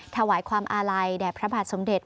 ถวายความอาลัยแด่พระบาทสมเด็จ